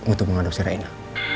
untuk mengadopsi reina